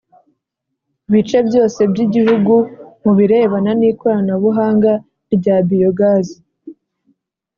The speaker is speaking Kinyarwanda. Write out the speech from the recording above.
bice byose by Igihugu mu birebana n ikoranabuhanga rya Biogaz